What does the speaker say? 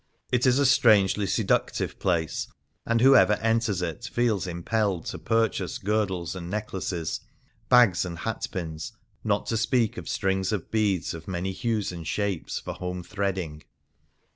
It is a strangely seductive place, and whoever enters it feels impelled to purchase girdles and necklaces, bags and hatpins, not to speak of strings of beads of many hues and shapes for home threading.